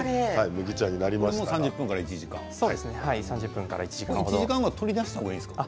こちらも３０分から１時間ですか？